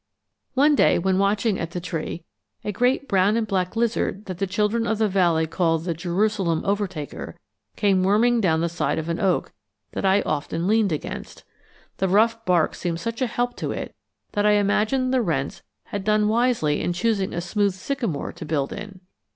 One day, when watching at the tree, a great brown and black lizard that the children of the valley call the 'Jerusalem overtaker' came worming down the side of an oak that I often leaned against. The rough bark seemed such a help to it that I imagined the wrens had done wisely in choosing a smooth sycamore to build in.